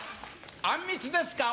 あんみつですか？